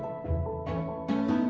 ya kita ke sekolah